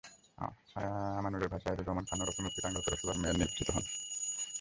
আমানুরের ভাই সাহিদুর রহমান খান ওরফে মুক্তি টাঙ্গাইল পৌরসভার মেয়র নির্বাচিত হন।